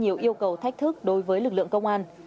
nhiều yêu cầu thách thức đối với lực lượng công an